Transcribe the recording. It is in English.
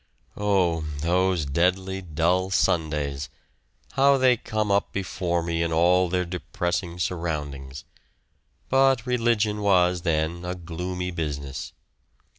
Oh! those deadly dull Sundays; how they come up before me in all their depressing surroundings; but religion was then a gloomy business.